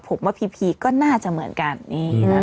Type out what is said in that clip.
ผมว่าพีพีก็น่าจะเหมือนกัน